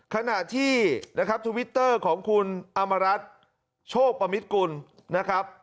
ขณะที่นะครับทวิตเตอร์ของคุณอมรัฐโชคปมิตกุลนะครับ